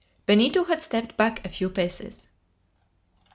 Benito had stepped back a few paces.